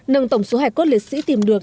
nâng tổng số hài cốt liệt sĩ tìm được